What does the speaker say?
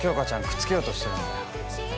くっつけようとしてるんだ